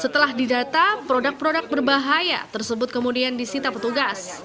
setelah didata produk produk berbahaya tersebut kemudian disita petugas